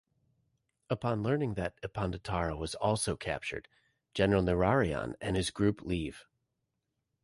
Upon learning that "Ippondatara" was also captured, General Nurarihyon and his group leave.